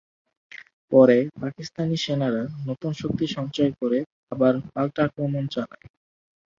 পরে পাকিস্তানি সেনারা নতুন শক্তি সঞ্চয় করে আবার পাল্টা আক্রমণ চালায়।